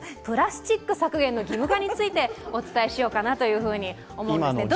プラスチック削減の義務化についてお伝えしようかなと思います。